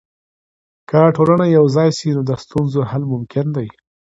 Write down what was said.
که ټولنه یوځای سي، نو د ستونزو حل ممکن دی.